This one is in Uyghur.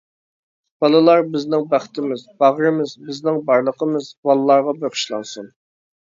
بالىلار بىزنىڭ بەختىمىز، باغرىمىز، بىزنىڭ بارلىقىمىز بالىلارغا بېغىشلانسۇن!